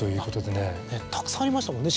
たくさんありましたもんね